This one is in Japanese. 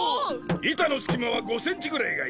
板の隙間は５センチぐらいがいい。